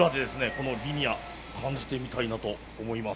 このリニア感じてみたいなと思います。